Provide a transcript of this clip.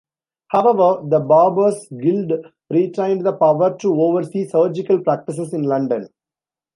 However, the Barbers' Guild retained the power to oversee surgical practices in London.